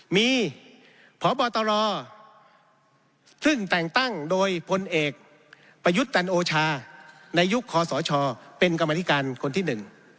มีพบตรซึ่งแต่งตั้งโดยพลเอกประยุทธ์จันโอชาในยุคคอสชเป็นกรรมธิการคนที่หนึ่ง